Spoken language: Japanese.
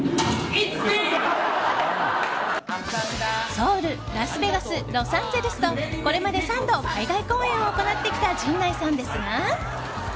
ソウル、ラスベガスロサンゼルスとこれまで３度海外公演を行ってきた陣内さんですが。